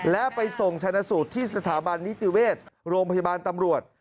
และไปส่งชนะสูตรที่สถาบันนิติเวชโรงพยาบาลตำรวจ